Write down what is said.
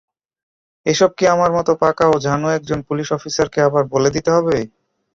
এসব কি আমার মতো পাকা ও ঝানু একজন পুলিশ অফিসারকে আবার বলে দিতে হবে?